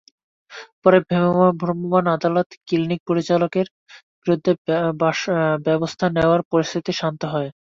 পরে ভ্রাম্যমাণ আদালত ক্লিনিক পরিচালকের বিরুদ্ধে ব্যবস্থা নেওয়ায় পরিস্থিতি শান্ত হয়।